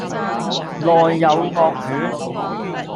內有惡犬